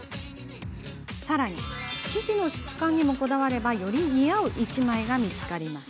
さらに生地の質感にもこだわればより似合う１枚が見つかります。